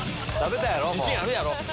自信あるやろ！